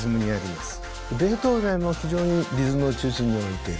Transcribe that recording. ベートーヴェンも非常にリズムを中心に置いている。